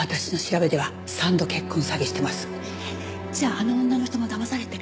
じゃああの女の人もだまされてる？